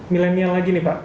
millenial lagi nih pak